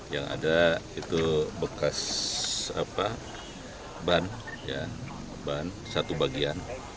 yang ada itu bekas ban ban satu bagian